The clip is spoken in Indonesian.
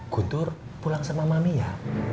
guntur pulang sama mami ya